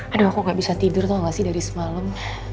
aduh aku gak bisa tidur tau gak sih dari semalam